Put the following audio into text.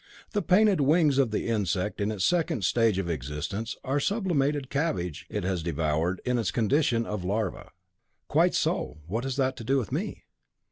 The painted wings of the insect in its second stage of existence are the sublimated cabbage it has devoured in its condition of larva." "Quite so. What has that to do with me?"